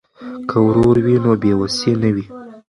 که ورور وي نو بې وسی نه وي.